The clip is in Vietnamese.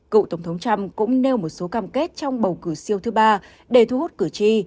cựu tổng thống trump cũng nêu một số cam kết trong bầu cử siêu thứ ba để thu hút cử tri